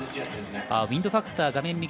ウインドファクター画面